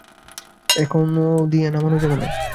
এখান দিয়ে নামানো যাবে না।